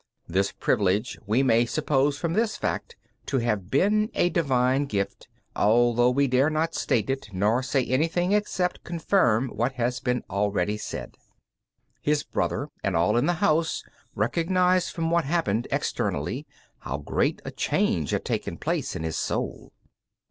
This privilege we may suppose from this fact to have been a divine gift, although we dare not state it, nor say anything except confirm what has been already said. His brother and all in the house recognized from what appeared externally how great a change had taken place in his soul.